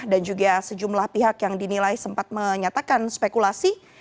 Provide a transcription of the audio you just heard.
dan juga sejumlah pihak yang dinilai sempat menyatakan spekulasi